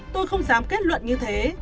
tôi không dám kết luận như thế